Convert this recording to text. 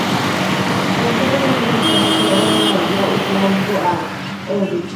Con los cuatro miembros restantes, celebran una orgía y queman vivo a Heinrich.